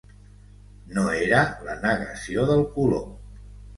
No era la negació del color.